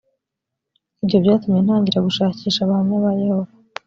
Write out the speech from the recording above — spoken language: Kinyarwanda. ibyo byatumye ntangira gushakisha abahamya ba yehova